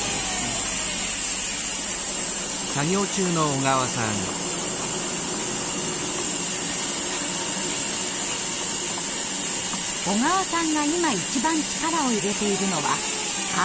小川さんが今一番力を入れているのはアート作品の触図。